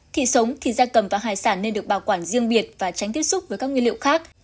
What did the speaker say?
thịt sống thì da cầm và hải sản nên được bảo quản riêng biệt và tránh tiếp xúc với các nguyên liệu khác